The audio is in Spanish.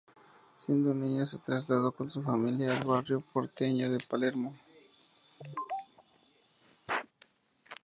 Siendo niño se trasladó con su familia al barrio porteño de Palermo.